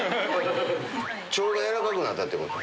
腸が軟らかくなったってこと？